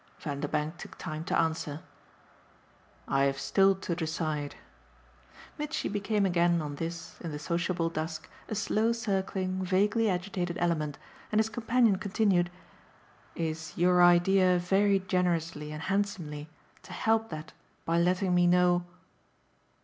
Vanderbank took time to answer. "I've still to decide." Mitchy became again on this, in the sociable dusk, a slow circling vaguely agitated element, and his companion continued: "Is your idea very generously and handsomely to help that by letting me know